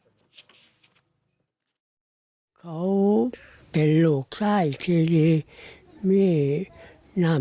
อยากให้รัฐบาลนำร่างลูกชายกลับมาให้ครอบครัวได้ทำวิจิทธิ์ทางศาสนาครับ